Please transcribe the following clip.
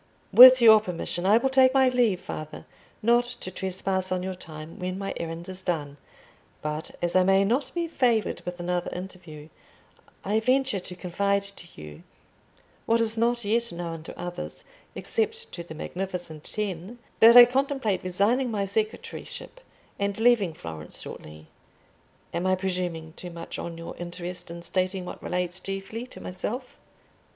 "With your permission, I will take my leave, father, not to trespass on your time when my errand is done; but as I may not be favoured with another interview, I venture to confide to you—what is not yet known to others, except to the magnificent Ten—that I contemplate resigning my secretaryship, and leaving Florence shortly. Am I presuming too much on your interest in stating what relates chiefly to myself?"